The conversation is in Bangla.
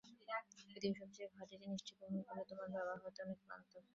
পৃথিবীর সবচেয়ে ভারী জিনিসটি বহন করে তোমার বাবা হয়তো অনেক ক্লান্ত।